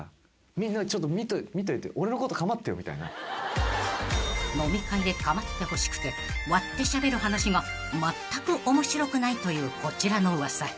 「みんなちょっと見といて」［飲み会で構ってほしくて割ってしゃべる話がまったく面白くないというこちらの噂］